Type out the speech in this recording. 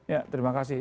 ya terima kasih